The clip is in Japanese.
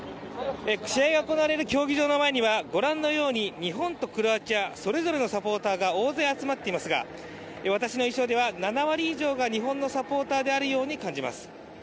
試合が行われる競技場の前にはご覧のように日本とクロアチア、それぞれのサポーターが大勢集まっていますが私の印象では、７割以上が日本のサポーターであるように感じます。